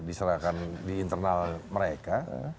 diserahkan di internal mereka